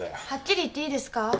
はっきり言っていいですか？